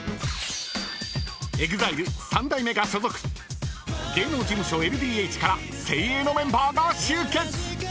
［ＥＸＩＬＥ三代目が所属芸能事務所ＬＤＨから精鋭のメンバーが集結！］